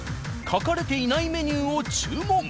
書かれていないメニューを注文。